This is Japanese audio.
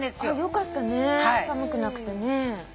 よかったね寒くなくてね。